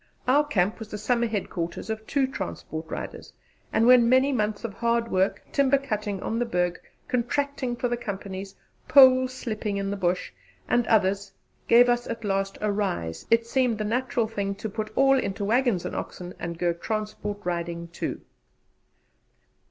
Our camp was the summer headquarters of two transport riders, and when many months of hard work, timber cutting on the Berg, contracting for the Companies, pole slipping in the bush, and other things, gave us at last a 'rise,' it seemed the natural thing to put it all into waggons and oxen, and go transport riding too.